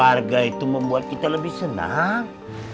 warga itu membuat kita lebih senang